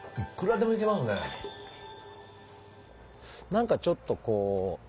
何かちょっとこう。